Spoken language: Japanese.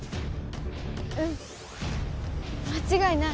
うん間違いない。